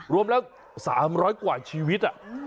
รวมสำหรับ๓๐๐กว่าชีวิตอ่ะ